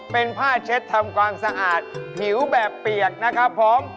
เป็นผ้าเช็ดทำความสะอาดผิวแบบเปียกนะครับผม